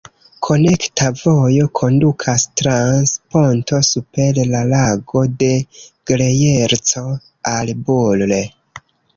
Konekta vojo kondukas trans ponto super la Lago de Grejerco al Bulle.